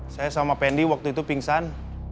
saya sama pendi waktu itu pingsan